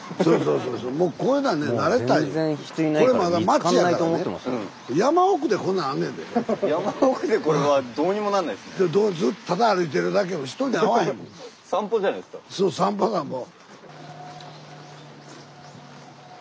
そう散歩だもう。